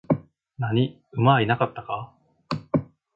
何、馬はいなかったか?